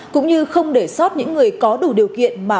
cũng như không để sót những người có đủ điều kiện được đề nghị đặc giá